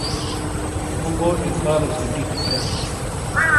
مُو گوجے اِیفالوس گی ٹِیکی کھِیاس۔